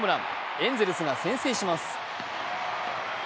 エンゼルスが先制します。